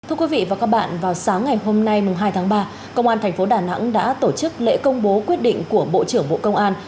thưa quý vị và các bạn vào sáng ngày hôm nay hai tháng ba công an thành phố đà nẵng đã tổ chức lễ công bố quyết định của bộ trưởng bộ công an